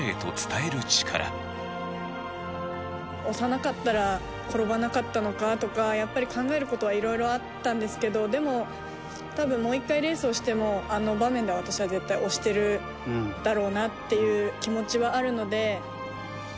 押さなかったら転ばなかったのかとかやっぱり考える事はいろいろあったんですけどでも、多分、もう１回レースをしても、あの場面では私は絶対に押してるだろうなっていう気持ちはあるので。